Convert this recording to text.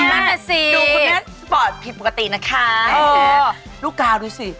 นั่นแสสิค่ะเออค่ะดูคุณแม่ลูกกาดดูสิ